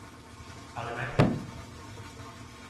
เอาเลยมะ ?